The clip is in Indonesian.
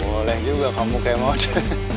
boleh juga kamu kemode